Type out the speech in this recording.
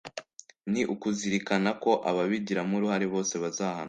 ni ukuzirikana ko ababigiramo uruhare bose bazahanwa